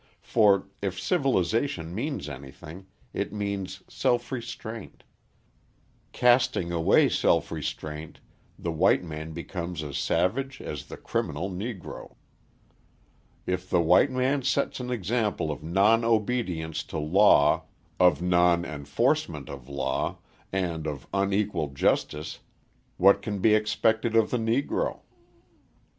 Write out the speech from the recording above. For, if civilisation means anything, it means self restraint; casting away self restraint the white man becomes as savage as the criminal Negro. If the white man sets an example of non obedience to law, of non enforcement of law, and of unequal justice, what can be expected of the Negro?